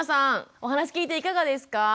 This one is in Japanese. お話聞いていかがですか？